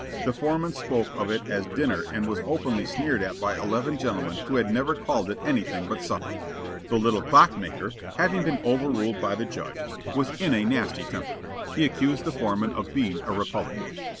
The foreman spoke of it as dinner and was openly sneered at by eleven gentlemen who had never called it anything but supper. The little clockmaker, having been overruled by the judge, was in a nasty temper. He accused the foreman of being a republican.